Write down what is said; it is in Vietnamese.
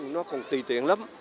nó còn tùy tùy